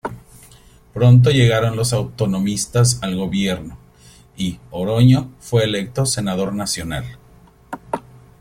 Pronto llegaron los autonomistas al gobierno, y Oroño fue electo senador nacional.